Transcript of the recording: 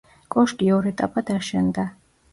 კოშკი ორ ეტაპად აშენდა.